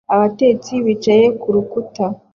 Abatetsi bicaye ku rukuta